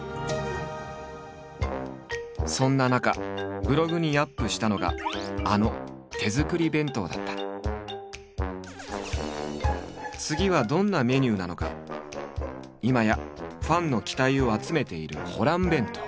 そんな中ブログにアップしたのがあの次はどんなメニューなのか今やファンの期待を集めているホラン弁当。